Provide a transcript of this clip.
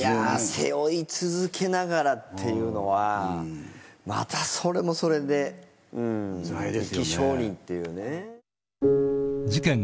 背負い続けながらっていうのはまたそれもそれで生き証人っていうね。